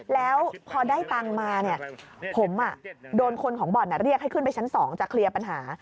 แล้วพอได้ตังค์มาผมโดนคนของบ่อนเรียกให้ขึ้นไปชั้น๒จะเคลียร์ปัญหา